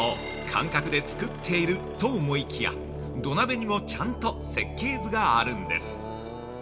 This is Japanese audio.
感覚で作っていると思いきや土鍋にもちゃんと設計図があるんです。